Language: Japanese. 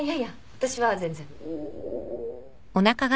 私は全然。